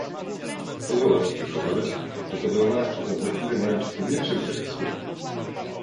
Pozwolę sobie zauważyć, że podejmowane przez nas decyzje mają czasem nieprzewidziane skutki